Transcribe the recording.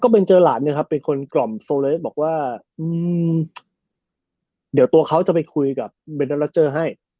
ก็เจอร์หลาดเป็นคนกล่อมโซเลสบอกว่าเดี๋ยวตัวเขาจะไปคุยกับเบนเตอร์รัชเจอร์ให้